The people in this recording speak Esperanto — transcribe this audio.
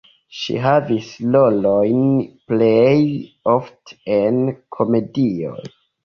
Ŝi havis rolojn plej ofte en komedioj.